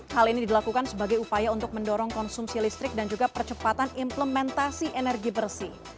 hal ini dilakukan sebagai upaya untuk mendorong konsumsi listrik dan juga percepatan implementasi energi bersih